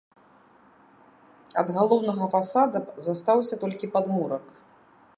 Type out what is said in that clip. Ад галоўнага фасада застаўся толькі падмурак.